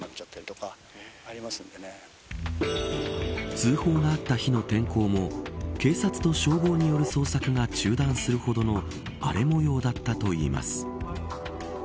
通報があった日の天候も警察と消防による捜索が中断するほどの荒れ模様だったといいます。